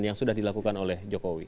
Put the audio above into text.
yang sudah dilakukan oleh jokowi